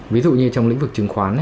ví dụ như trong lĩnh vực chứng khoán